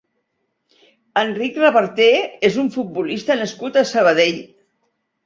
Eric Reverter és un futbolista nascut a Sabadell.